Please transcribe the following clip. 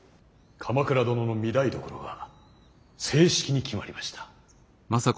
鎌倉殿の御台所が正式に決まりました。